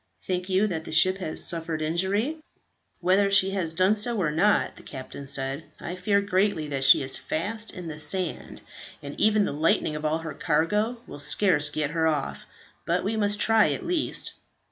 "Think you that the ship has suffered injury?" "Whether she has done so or not," the captain said, "I fear greatly that she is fast in the sand, and even the lightening of all her cargo will scarce get her off; but we must try at least."